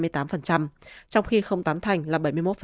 trong khi không tán thành là bảy mươi một